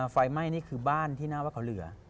ไฟไหม้นี่คือบ้านที่น่าว่าเขาเหลือ